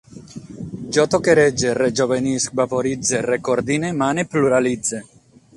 Jo toquerege, rejovenisc, vaporitze, recordine, mane, pluralitze